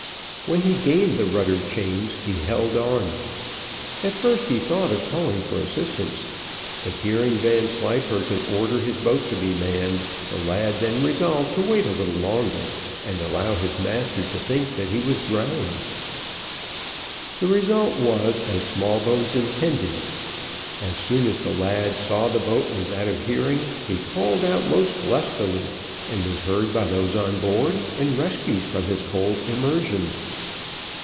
When he gained the rudder chains, he held on. At first he thought of calling for assistance; but hearing Vanslyperken order his boat to be manned, the lad then resolved to wait a little longer, and allow his master to think that he was drowned. The result was as Smallbones intended. As soon as the lad saw the boat was out of hearing he called out most lustily, and was heard by those on board, and rescued from his cold immersion.